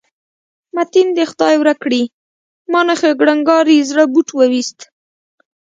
متین دې خدای ورک کړي، ما نه خو یې کړنګاري زړه بوټ وویست.